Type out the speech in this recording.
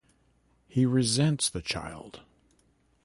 He resents the child.